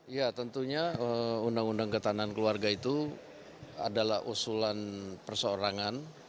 ya tentunya undang undang ketahanan keluarga itu adalah usulan perseorangan